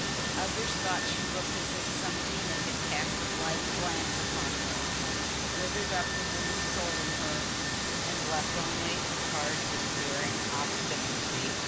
Others thought she looked as if some demon had cast a blighting glance upon her, withered up the woman's soul in her, and left only a hard despairing obstinacy.